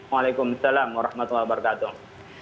waalaikumsalam warahmatullahi wabarakatuh